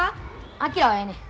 昭はええねん。